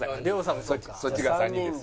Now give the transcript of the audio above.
そっち側３人です。